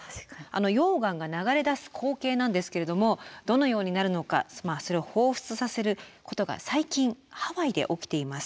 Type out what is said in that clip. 溶岩が流れ出す光景なんですけれどもどのようになるのかそれを彷彿させることが最近ハワイで起きています。